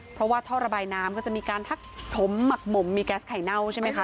เพราะว่าท่อระบายน้ำก็จะมีการทักถมหมักหมมมีแก๊สไข่เน่าใช่ไหมคะ